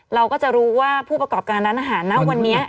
เราก็จะรู้ว่าผู้ประกอบการร้านอาหารนะวันนี้